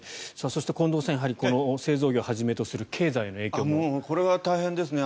そして、近藤さんこの製造業をはじめとするこれは大変ですね。